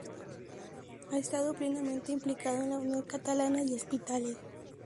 Ha estado plenamente implicado en la Unión Catalana de Hospitales.